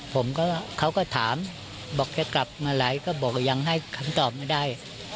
เขาก็เขาก็ถามบอกจะกลับมาไหลก็บอกว่ายังให้คำตอบไม่ได้